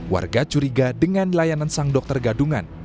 warga curiga dengan layanan sang dokter gadungan